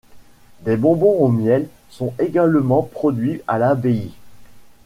Des bonbons au miel sont également produits à l'abbaye.